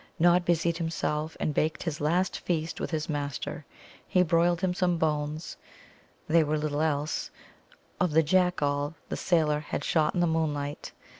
Nod busied himself, and baked his last feast with his master. He broiled him some bones they were little else of the Jack All the sailor had shot in the moonlight.